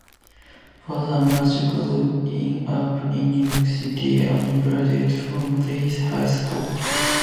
Father McShane grew up in New York City and graduated from Regis High School.